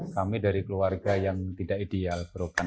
kami dari keluarga yang tidak ideal